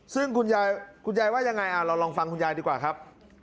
ซึ่งคุณยายว่ายังไงเราลองฟังคุณยายดีกว่าครับ